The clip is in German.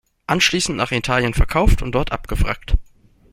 Anschließend nach Italien verkauft und dort abgewrackt.